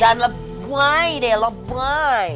jangan lebay deh lebay